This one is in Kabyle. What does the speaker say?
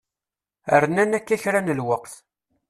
Rnan akka kra n lweqt.